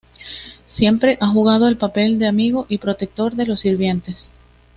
siempre ha jugado el papel de amigo y protector de los sirvientes